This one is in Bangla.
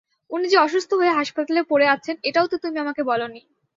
উনি যে অসুস্থ হয়ে হাসপাতালে পড়ে আছেন, এটাও তো তুমি আমাকে বল নি।